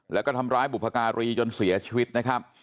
แล้วก็ทำร้ายบุพการีจนเสียชีวิตนะครับ